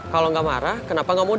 kalau gak marah kenapa gak mau jalan